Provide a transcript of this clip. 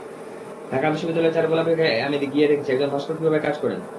ঢাকা বিশ্ববিদ্যালয়ের চারুকলা বিভাগে গিয়ে আমি দেখেছি, একজন ভাস্কর কীভাবে কাজ করেন।